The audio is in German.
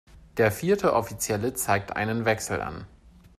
Der vierte Offizielle zeigt einen Wechsel an.